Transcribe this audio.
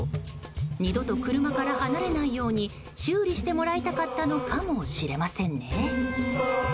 二度と車から離れないように修理してもらいたかったのかもしれませんね。